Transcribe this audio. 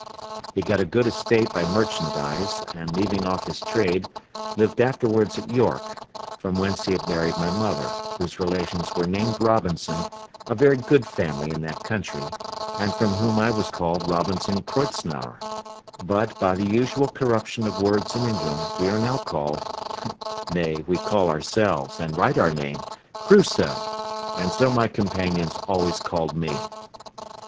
He got a good estate by merchandise, and leaving off his trade, lived afterwards at York, from whence he had married my mother, whose relations were named Robinson, a very good family in that country, and from whom I was called Robinson Kreutznaer; but, by the usual corruption of words in England, we are now called—nay we call ourselves and write our name—Crusoe; and so my companions always called me.